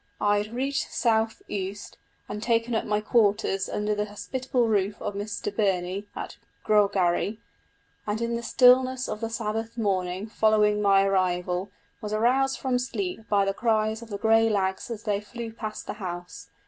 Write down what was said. I had reached South Uist, and taken up my quarters under the hospitable roof of Mr Birnie, at Grogarry ... and in the stillness of the Sabbath morning following my arrival was aroused from sleep by the cries of the grey lags as they flew past the house.